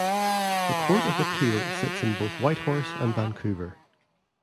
The Court of Appeal sits in both Whitehorse and Vancouver.